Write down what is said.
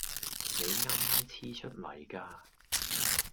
你啱啱黐出嚟㗎